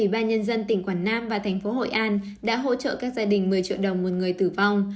ủy ban nhân dân tỉnh quảng nam và thành phố hội an đã hỗ trợ các gia đình một mươi triệu đồng một người tử vong